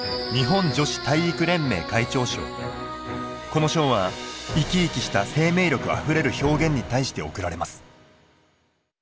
この賞は生き生きした生命力あふれる表現に対して贈られます。